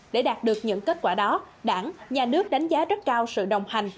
để đạt được những kết quả đó đảng nhà nước đánh giá rất cao sự đồng hành